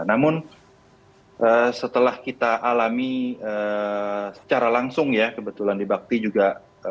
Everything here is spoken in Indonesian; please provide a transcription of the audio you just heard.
namun setelah kita alami secara langsung ya kebetulan di bakti juga